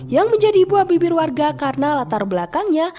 yang menjadi buah bibir warga karena latar belakangnya